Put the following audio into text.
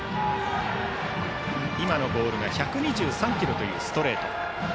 今のボールが１２３キロというストレート。